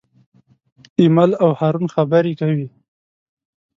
ایمل او هارون خبرې کوي.